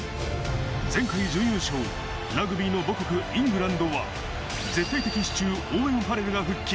前回準優勝、ラグビーの母国・イングランドは、絶対的支柱オーウェン・ファレルが復帰。